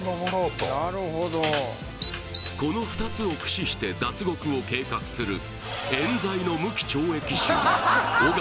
この２つを駆使して脱獄を計画する尾形